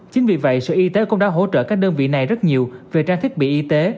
chính vì vậy sở y tế cũng đã hỗ trợ các đơn vị này rất nhiều về trang thiết bị y tế